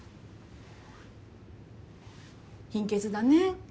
貧血だね。